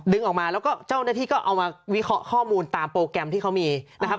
ออกมาแล้วก็เจ้าหน้าที่ก็เอามาวิเคราะห์ข้อมูลตามโปรแกรมที่เขามีนะครับ